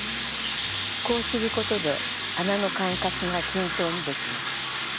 こうすることで穴の間隔が均等にできます。